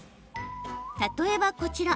例えば、こちら。